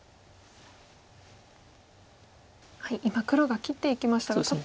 今黒が切っていきましたが。